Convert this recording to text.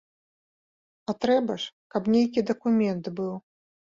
А трэба ж, каб нейкі дакумент быў.